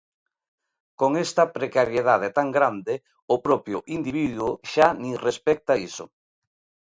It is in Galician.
Con esta precariedade tan grande, o propio individuo xa nin respecta iso.